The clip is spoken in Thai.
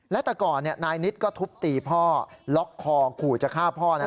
และแต่ก่อนนายนิดก็ทุบตีพ่อล็อกคอขู่จะฆ่าพ่อนะ